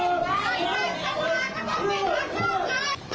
คุณจะทำร้ายสิทธิ์เสียงของประชาชนเหรอ